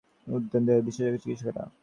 উত্তর দেবেন বিশেষজ্ঞ চিকিৎসকেরা।